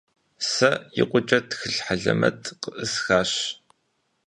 Сэ икъукӀэ тхылъ хьэлэмэт къеӀысхащ.